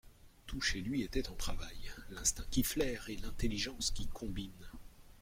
Tout chez lui était en travail, l'instinct qui flaire et l'intelligence qui combine.